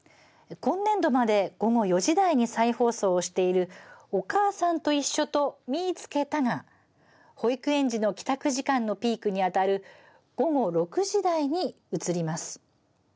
今年度まで午後４時台に再放送をしている「おかあさんといっしょ」と「みいつけた！」が保育園児の帰宅時間のピークに当たる午後６時台に移ります。